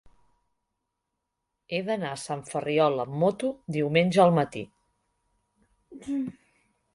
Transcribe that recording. He d'anar a Sant Ferriol amb moto diumenge al matí.